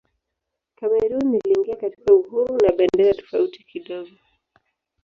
Kamerun iliingia katika uhuru na bendera tofauti kidogo.